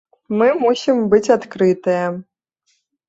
Мы мусім быць адкрытыя!